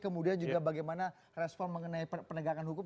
kemudian juga bagaimana respon mengenai penegakan hukum